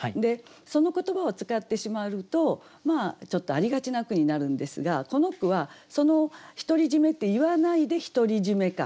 その言葉を使ってしまうとちょっとありがちな句になるんですがこの句は「独り占め」って言わないで独り占め感。